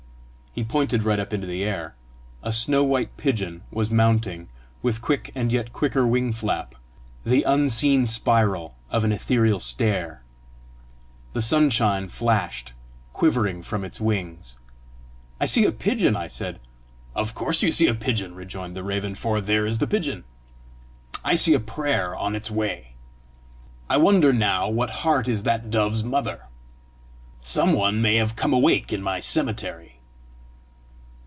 He pointed right up into the air. A snow white pigeon was mounting, with quick and yet quicker wing flap, the unseen spiral of an ethereal stair. The sunshine flashed quivering from its wings. "I see a pigeon!" I said. "Of course you see a pigeon," rejoined the raven, "for there is the pigeon! I see a prayer on its way. I wonder now what heart is that dove's mother! Some one may have come awake in my cemetery!"